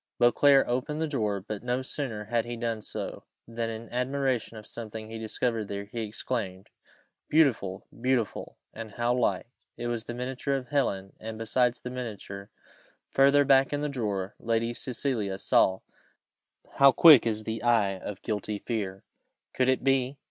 Beauclerc opened the drawer, but no sooner had he done so, than, in admiration of something he discovered there, he exclaimed, "Beautiful! beautiful! and how like!" It was the miniature of Helen, and besides the miniature, further back in the drawer, Lady Cecilia saw how quick is the eye of guilty fear! could it be?